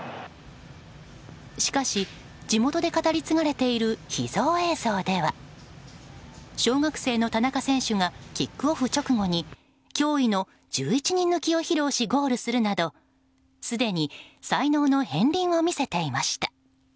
しかし、地元で語り継がれている秘蔵映像では小学生の田中選手がキックオフ直後に驚異の１１人抜きを披露しゴールするなどすでに才能の片鱗を見せていました。